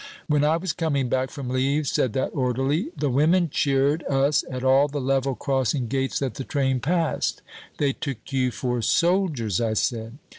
" when I was coming back from leave,' said that orderly, 'the women cheered us at all the level crossing gates that the train passed.' 'They took you for soldiers,' I said."